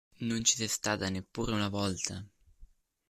Non ci sei stata neppure una volta!".